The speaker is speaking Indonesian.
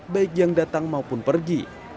baik yang datang maupun pergi